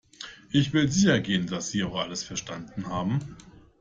Ich will sicher gehen, dass Sie auch alles verstanden haben.